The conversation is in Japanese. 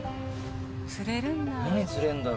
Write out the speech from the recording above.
釣れるんだ。